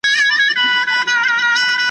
ويل كښېنه د كور مخي ته جنجال دئ `